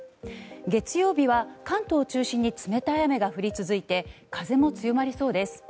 月曜日は、関東を中心に冷たい雨が降り続いて風も強まりそうです。